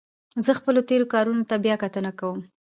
زه خپلو تېرو کارونو ته بیا کتنه کوم.